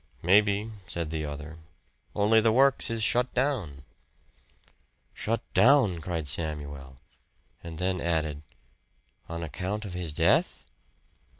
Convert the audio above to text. "Maybe," said the other "only the works is shut down." "Shut down!" cried Samuel; and then added, "On account of his death?"